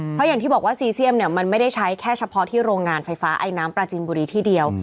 เพราะอย่างที่บอกว่าซีเซียมเนี่ยมันไม่ได้ใช้แค่เฉพาะที่โรงงานไฟฟ้าไอน้ำปลาจีนบุรีที่เดียว